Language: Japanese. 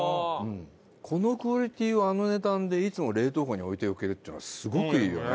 このクオリティーをあの値段でいつも冷凍庫に置いておけるっていうのはすごくいいよね。